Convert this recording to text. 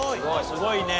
すごいね。